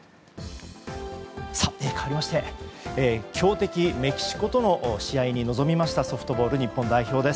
かわりまして、強敵メキシコとの試合に臨みましたソフトボール日本代表です。